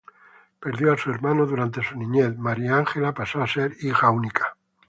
Perdió a su hermano durante su niñez, Maria Angela pasó a ser hija única.